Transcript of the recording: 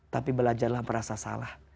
tapi belajarlah merasa salah